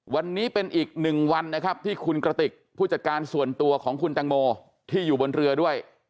วันนี้เป็นอีกหนึ่งวันนะครับที่คุณกระติกผู้จัดการส่วนตัวของคุณตังโมที่อยู่บนเรือด้วย